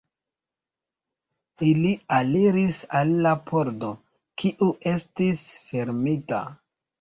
Ili aliris al la pordo, kiu estis fermita.